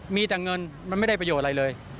มีแต่เงินมันไม่ได้ประโยชน์อะไรเลย